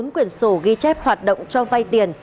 bốn quyển sổ ghi chép hoạt động cho vay tiền